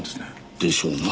でしょうな